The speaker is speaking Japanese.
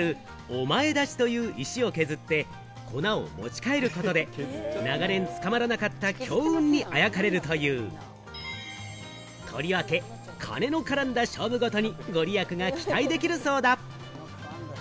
墓の前にある「お前立ち」という石を削って粉を持ち帰ることで、長年捕まらなかった強運にあやかれるという、とりわけ金の絡んだ勝負事に御利益が期待できるそうだ。